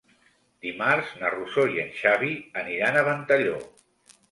Dimarts na Rosó i en Xavi aniran a Ventalló.